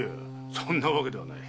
そんなわけではない。